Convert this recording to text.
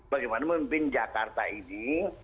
bagaimana memimpin jakarta ini